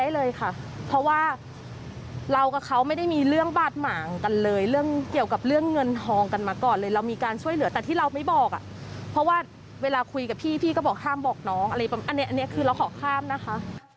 เลยเรื่องเกี่ยวกับเรื่องเงินทองกันมาก่อนเลยเรามีการช่วยเหลือแต่ที่เราไม่บอกอ่ะเพราะว่าเวลาคุยกับพี่ก็บอกข้ามบอกน้องอะไรอันเนี่ยคือเราขอข้ามนะคะ